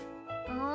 うん。